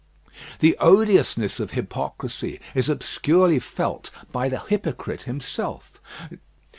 The odiousness of hypocrisy is obscurely felt by the hypocrite himself.